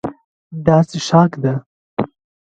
دا څښاک ده.